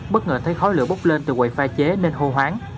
bất ngờ thấy khói lửa bốc lên từ quầy phai chế nên hô hoáng